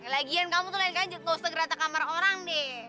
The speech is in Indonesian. lagian kamu tuh lain lain gak usah gerak ke kamar orang deh